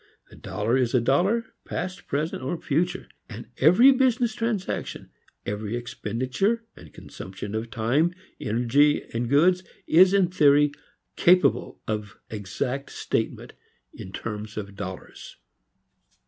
A dollar is a dollar, past, present or future; and every business transaction, every expenditure and consumption of time, energy, goods, is, in theory, capable of exact statement in terms of dollars.